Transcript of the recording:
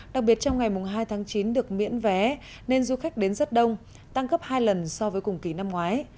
đặc biệt trong ngày hai tháng chín được miễn vé nên du khách đến rất đông tăng gấp hai lần so với cùng kỳ năm ngoái